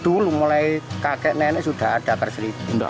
kalau akar seribu mulai dulu mulai kakek nenek sudah ada akar seribu